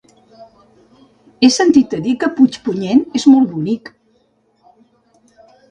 He sentit a dir que Puigpunyent és molt bonic.